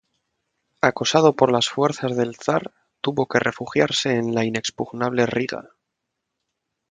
Acosado por las fuerzas del zar, tuvo que refugiarse en la inexpugnable Riga.